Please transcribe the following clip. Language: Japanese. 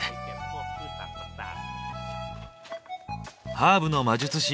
ハーブの魔術師